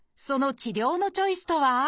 その治療のチョイスとは？